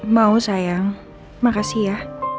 mau sayang makasih ya